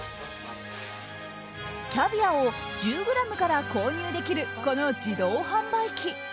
キャビアを１０ｇから購入できるこの自動販売機。